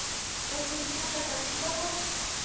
mosqoysh sumaqta ka katuta